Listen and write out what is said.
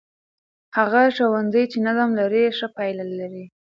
هغه ښوونځی چې نظم لري، ښه پایله لري.